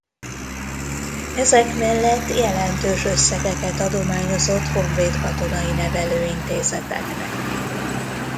Ezek mellett jelentős összegeket adományozott honvéd katonai nevelőintézeteknek.